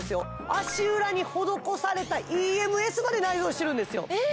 足裏に施されたＥＭＳまで内蔵してるんですよえ